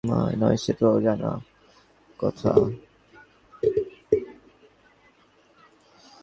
বাঘ মানুষ মেরে খায়, সে বোষ্টম নয়, সে তো জানা কথা।